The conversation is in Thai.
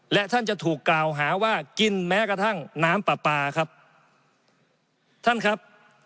และท่านจะถูกกล่าวหาว่ากินแม้กระทั่งน้ำปลาปลาครับท่านครับ